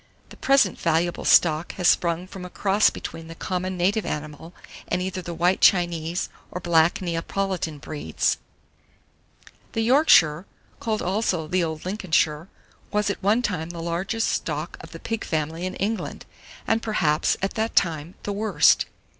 The present valuable stock has sprung from a cross between the common native animal and either the White Chinese or Black Neapolitan breeds. [Illustration: YORKSHIRE SOW.] 783. THE YORKSHIRE, CALLED ALSO THE OLD LINCOLNSHIRE, was at one time the largest stock of the pig family in England, and perhaps, at that time, the worst.